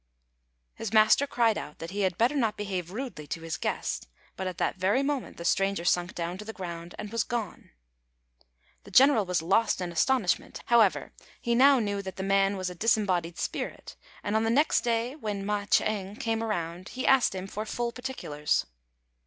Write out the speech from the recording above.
His master cried out that he had better not behave rudely to his guest, but at that very moment the stranger sunk down to the ground, and was gone. The general was lost in astonishment; however, he now knew that the man was a disembodied spirit, and on the next day, when Ma ch'êng came round, he asked him for full particulars.